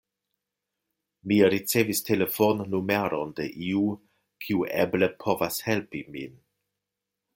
Mi ricevis telefonnumeron de iu, kiu eble povas helpi min.